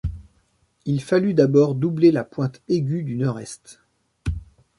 Il fallut d’abord doubler la pointe aiguë du nord-est.